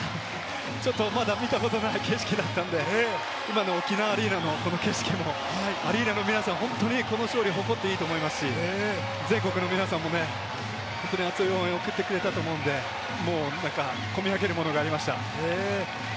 まだ見たことない景色だったので、沖縄アリーナの景色も、アリーナの皆さん、この勝利を誇っていいと思いますし、全国の皆さんも熱い応援を送ってくれたと思うので、こみ上げるものがありました。